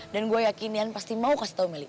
dan gue yakin ian pasti mau kasih tau meli